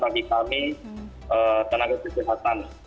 untuk kami tenaga kesehatan